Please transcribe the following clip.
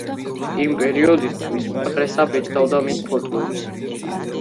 იმ პერიოდის პრესა ბეჭდავდა მის ფოტოებს.